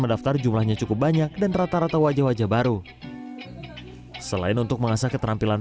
mendaftar jumlahnya cukup banyak dan rata rata wajah wajah baru selain untuk mengasah keterampilan